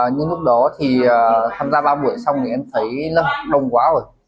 nhưng lúc đó thì tham gia ba buổi xong thì em thấy lớp học đông quá rồi